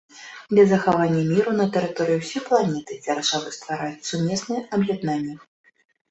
Для захавання міру на тэрыторыі ўсёй планеты дзяржавы ствараюць сумесныя аб'яднанні.